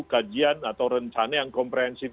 kajian atau rencana yang komprehensif